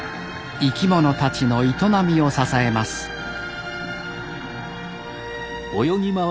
生き物たちの営みを支えますいざ